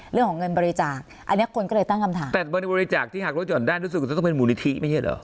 เรื่องของเงินบริจาคอันนี้คนก็เลยตั้งคำถามแต่บริจาคที่หักรถห่อนได้รู้สึกว่าจะต้องเป็นมูลนิธิไม่ใช่เหรอ